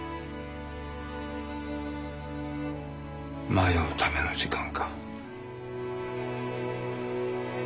迷うための時間か。